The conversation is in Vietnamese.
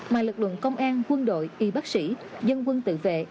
mà lực lượng công an quân đội y bác sĩ dân quân tự vệ